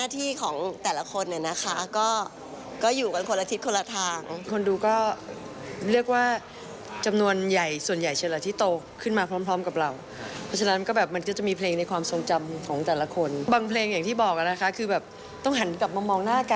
ต้องหันกลับมามองหน้าอาการเหมือนว่าเฮ้ยมันร้องยังไงวะ